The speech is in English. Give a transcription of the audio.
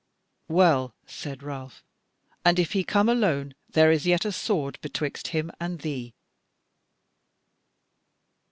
"Well," said Ralph, "and if he come alone, there is yet a sword betwixt him and thee."